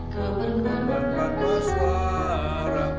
kau benar benar bersuara